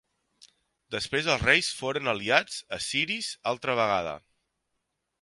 Després els reis foren aliats assiris altra vegada.